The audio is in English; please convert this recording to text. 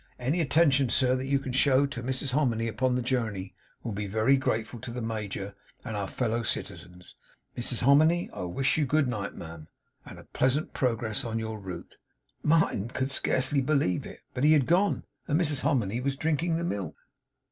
Any attention, sir, that you can show Toe Mrs Hominy upon the journey, will be very grateful Toe the Major and our fellow citizens. Mrs Hominy, I wish you good night, ma'am, and a pleasant pro gress on your route!' Martin could scarcely believe it; but he had gone, and Mrs Hominy was drinking the milk.